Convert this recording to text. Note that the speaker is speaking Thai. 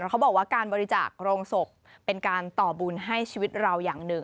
เขาบอกว่าการบริจาคโรงศพเป็นการต่อบุญให้ชีวิตเราอย่างหนึ่ง